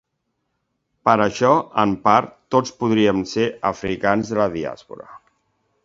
Per això, en part, tots podríem ser africans de la diàspora.